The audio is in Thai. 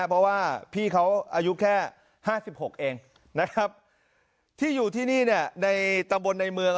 เพราะว่าพี่เขาอายุแค่๕๖เองนะครับที่อยู่ที่นี่เนี่ยในตำบลในเมือง